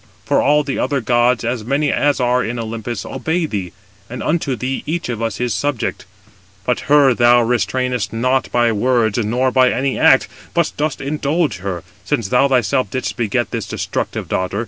For all the other gods, as many as are in Olympus, obey thee, and unto thee each of us is subject. But her thou restrainest not by words, nor by any act, but dost indulge her, since thou thyself didst beget this destructive daughter.